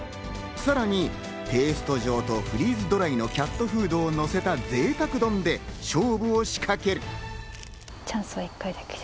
さらにペースト状とフリーズドライのキャットフードをのせたぜいたく丼で勝負を仕掛ける。